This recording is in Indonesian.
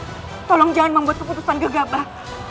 nanda prabu tolong jangan membuat keputusan gegabah